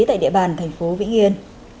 tại địa bàn tp vĩnh yên